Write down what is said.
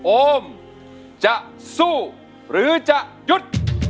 โอมจะสู้หรือจะหยุด